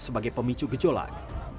sebagai pemicu gejolak